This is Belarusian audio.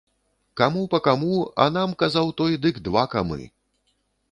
Каму па каму, а нам, казаў той, дык два камы.